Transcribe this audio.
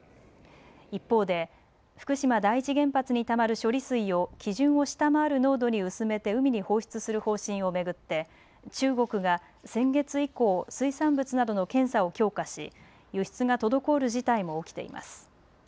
一方で福島第一原発にたまる処理水を基準を下回る濃度に薄めて海に放出する方針を巡って中国が先月以降、水産物などの検査を強化し、輸出が滞る事態も起きています。